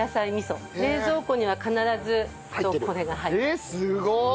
えっすごーい！